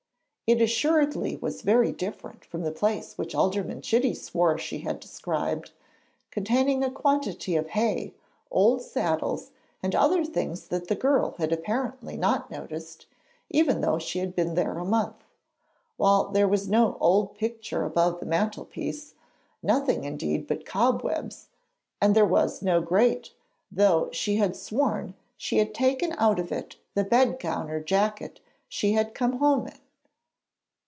It assuredly was very different from the place which Alderman Chitty swore she had described, containing a quantity of hay, old saddles, and other things that the girl had apparently not noticed, even though she had been there a month; while there was no old picture above the mantelpiece nothing, indeed, but cobwebs and there was no grate, though she had sworn she had taken out of it the bedgown or jacket she had come home in.